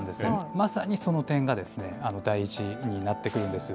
まさにその点が大事になってくるんです。